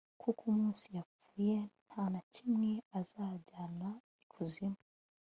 kuko umunsi yapfuye, nta na kimwe azajyana ikuzimu